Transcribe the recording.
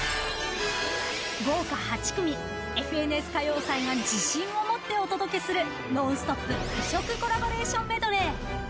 豪華８組「ＦＮＳ歌謡祭」が自信を持ってお届けするノンストップ異色コラボレーションメドレー。